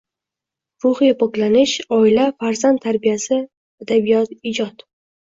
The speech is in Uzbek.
ruhiy poklanish, oila, farzand tarbiyasi, adabiyot, ijod